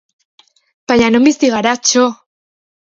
Baina non bizi gara, txo!